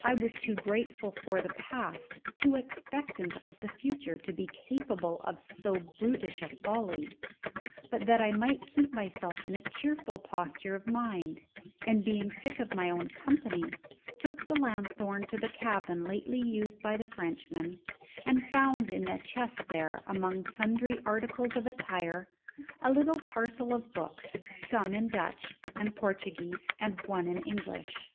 I was too grateful for the past, too expectant of the future, to be capable of so brutish a folly but that I might keep myself in a cheerful posture of mind; and being sick of my own company took the lanthorn to the cabin lately used by the Frenchman, and found in a chest there, among sundry articles of attire, a little parcel of books, some in Dutch and Portuguese, and one in English.